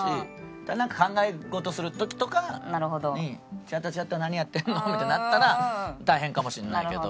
ただなんか考え事する時とかに「ちょっとちょっと何やってんの」みたいになったら大変かもしれないけど。